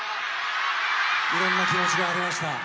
いろんな気持ちがありました。